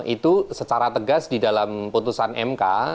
itu secara tegas di dalam putusan mk